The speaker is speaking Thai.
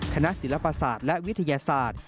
ศิลปศาสตร์และวิทยาศาสตร์